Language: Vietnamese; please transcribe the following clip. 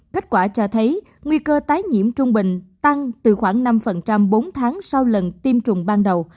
kết quả cho thấy nguy cơ tái nhiễm trung bình tăng từ khoảng năm bốn tháng sau lần tiêm chủng ban đầu